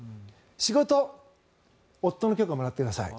仕事夫の許可をもらってください。